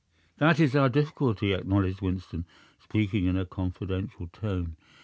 "That is our difficulty," acknowledged Winston, speaking in a confidential tone.